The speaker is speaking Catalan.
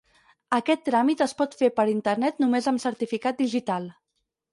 Aquest tràmit es pot fer per internet només amb certificat digital.